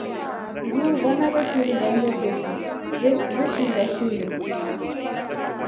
Uruu vaana vikiringa uumbe sefo veshinda shule.